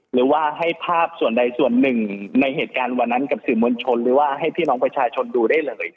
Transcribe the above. หรือว่าให้ภาพส่วนใดส่วนหนึ่งในเหตุการณ์วันนั้นกับสื่อมวลชนหรือว่าให้พี่น้องประชาชนดูได้เลย